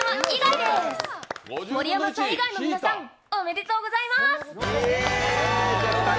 盛山さん以外の皆さん、おめでとうございます！